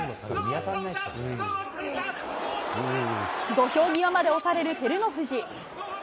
土俵際まで押される照ノ富士。